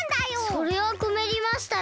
それはこめりましたね。